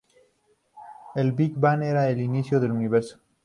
El Bigbang era el inicio del universo.